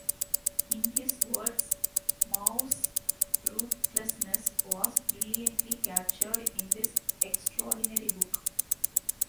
In his words Mao's "ruthlessness" was "brilliantly captured in this extraordinary book".